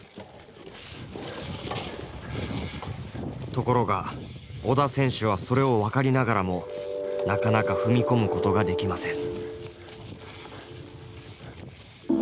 ところが織田選手はそれを分かりながらもなかなか踏み込むことができません。